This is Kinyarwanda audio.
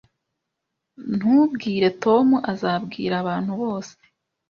Ntubwire Tom. Azabwira abantu bose.